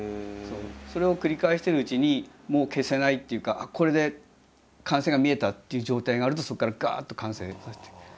それを繰り返してるうちにもう消せないっていうかこれで完成が見えたっていう状態があるとそこからガッと完成させていく。